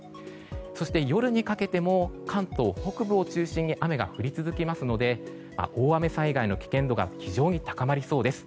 そして、夜にかけても関東北部を中心に雨が降り続きますので大雨災害の危険度が非常に高まりそうです。